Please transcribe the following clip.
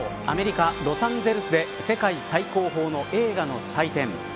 アメリカ、ロサンゼルスで世界最高峰の映画の祭典